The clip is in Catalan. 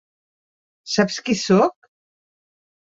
Saps qui soc?